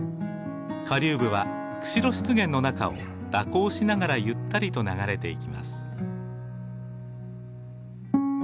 下流部は釧路湿原の中を蛇行しながらゆったりと流れていきます。